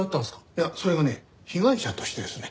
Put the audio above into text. いやそれがね被害者としてですね。